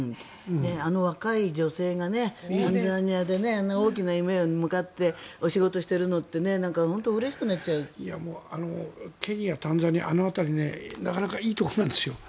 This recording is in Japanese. あの若い女性がタンザニアであんな大きな夢に向かってお仕事しているのってケニア、タンザニアあの辺りなかなかいいところなんですよ。